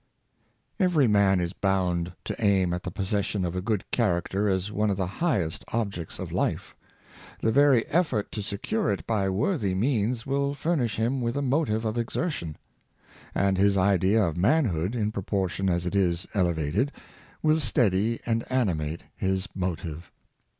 Every man is bound to aim at the possession of a good character as one of the highest objects of life. The very effort to secure it by worthy means will fur nish him with a motive of exertion; and his idea of manhood, in proportion as it is elevated, will steady and animate his motive.